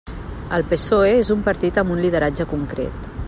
El PSOE és un partit amb un lideratge concret.